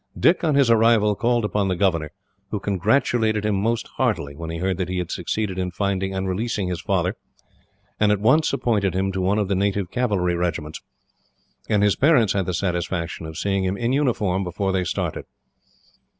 Dick, on his arrival, called upon the governor, who congratulated him most heartily when he heard that he had succeeded in finding and releasing his father, and at once appointed him to one of the native cavalry regiments; and his parents had the satisfaction of seeing him in uniform before they started.